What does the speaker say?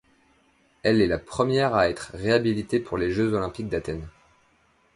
Elle est la première à être réhabilitée pour les Jeux olympiques d'Athènes.